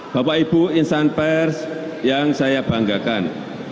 bapak ibu insan pers yang saya banggakan